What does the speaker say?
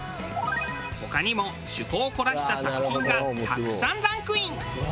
他にも趣向を凝らした作品がたくさんランクイン。